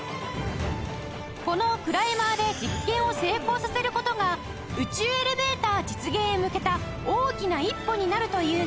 このクライマーで実験を成功させる事が宇宙エレベーター実現へ向けた大きな一歩になるというんです